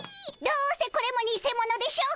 どうせこれも偽物でしょ！